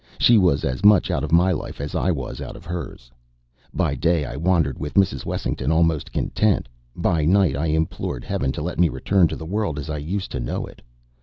She was as much out of my life as I was out of hers. By day I wandered with Mrs. Wessington almost content. By night I implored Heaven to let me return to the world as I used to know it.